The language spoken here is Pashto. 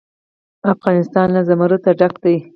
افغانستان له زمرد ډک دی.